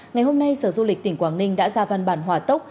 ngày hôm nay sở du lịch tỉnh quảng ninh đã ra văn bản hòa tốc